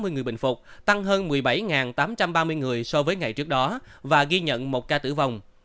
hai trăm chín mươi chín một trăm tám mươi người bệnh phục tăng hơn một mươi bảy tám trăm ba mươi người so với ngày trước đó và ghi nhận một ca tử vong